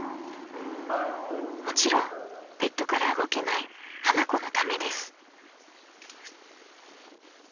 ［もちろんベッドから動けない花子のためです］